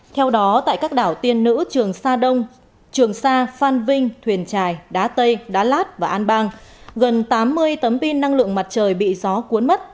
theo đó tại các đảo tiên nữ trường sa đông trường sa phan vinh thuyền trài đá tây đá lát và an bang gần tám mươi tấm pin năng lượng mặt trời bị gió cuốn mất